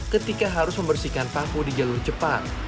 ketika harus membersihkan paku di jalur cepat